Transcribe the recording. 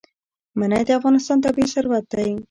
منی د افغانستان طبعي ثروت دی.